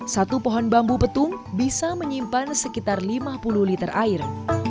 satu pohon bambu petung bisa menyimpan sekitar lima puluh liter air